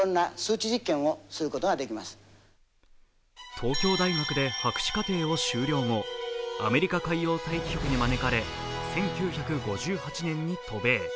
東京大学で博士課程を修了後アメリカ海洋大気庁に招かれ、１９５８年に渡米。